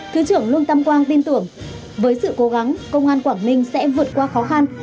thứ trưởng lương tâm quang tin tưởng với sự cố gắng công an quảng ninh sẽ vượt qua khó khăn